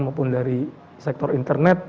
maupun dari sektor internet